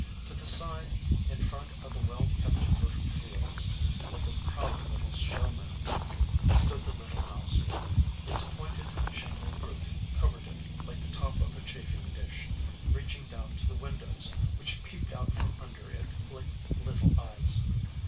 To the side, in front of the well kept fertile fields, like a proud little showman, stood the little house. Its pointed shingle roof covered it like the top of a chafing dish, reaching down to the windows, which peeped out from under it like little eyes.